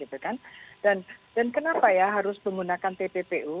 dan kenapa ya harus menggunakan pppu